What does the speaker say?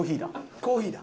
コーヒーだ。